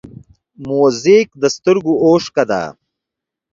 موزیک د سترګو اوښکه ده.